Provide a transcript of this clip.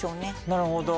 なるほど。